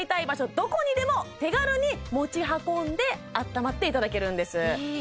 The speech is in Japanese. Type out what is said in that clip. どこにでも手軽に持ち運んで暖まっていただけるんですいい！